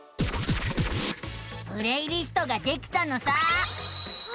プレイリストができたのさあ。